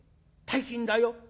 大金だよ。